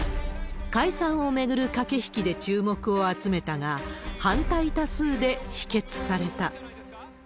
解散を巡る駆け引きで注目を集めたが、反対多数で否決された。